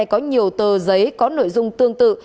có nhiều tờ giấy có nội dung tương tự